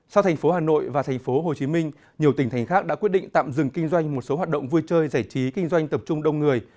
sau thành phố hà nội và thành phố hồ chí minh nhiều tỉnh thành khác đã quyết định tạm dừng kinh doanh một số hoạt động vui chơi giải trí kinh doanh tập trung đông người